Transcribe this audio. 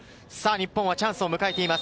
日本はチャンスを迎えています。